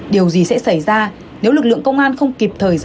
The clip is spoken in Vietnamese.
điều gì sẽ xảy ra nếu lực lượng công an không kịp thời giải